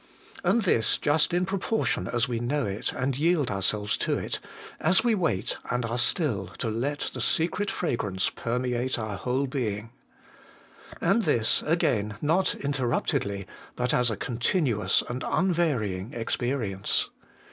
And this just in proportion as we THE UNCTION FROM THE HOLY ONE. 267 know it and yield ourselves to it, as we wait and are still to let the secret fragrance permeate our whole being. And this, again, not interruptedly, but as a continuous and unvarying experience.